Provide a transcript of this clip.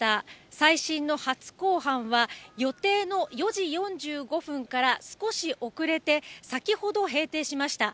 再審の初公判は、予定の４時４５分から少し遅れて、先ほど閉廷しました。